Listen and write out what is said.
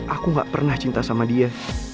aku gak pernah cinta sama dia